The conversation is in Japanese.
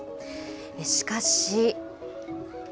しかし。